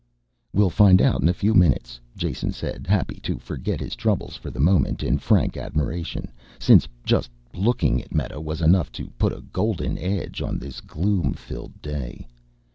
"We'll find out in a few minutes," Jason said, happy to forget his troubles for the moment in frank admiration, since just looking at Meta was enough to put a golden edge on this gloom filled day.